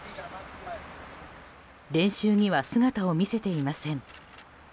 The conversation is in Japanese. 練習には姿を見せていません。